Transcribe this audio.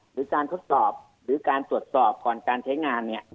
หรือการทดสอบหรือการสวดสอบก่อนการใช้งาน